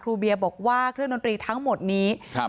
เบียบอกว่าเครื่องดนตรีทั้งหมดนี้ครับ